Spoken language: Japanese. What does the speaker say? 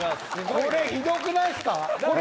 これひどくないっすか？